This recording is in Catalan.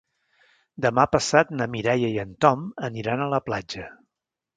Demà passat na Mireia i en Tom aniran a la platja.